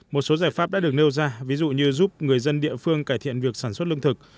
một số giải pháp đã được nêu ra ví dụ như giúp người dân địa phương cải thiện việc sản xuất lương thực